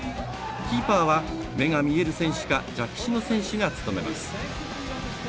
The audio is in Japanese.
キーパーは目が見える選手か弱視の選手が務めます。